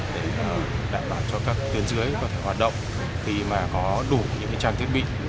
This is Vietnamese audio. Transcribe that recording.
để đảm bảo cho các tuyến dưới có thể hoạt động khi mà có đủ những trang thiết bị